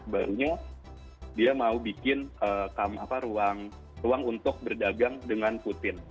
barunya dia mau bikin ruang untuk berdagang dengan putin